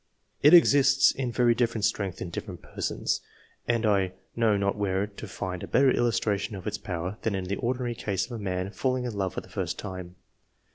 It exists in very different strength in different persons, and I know not where to find a better illustration of its power than in the ordinary case of a man falling in love for the first time.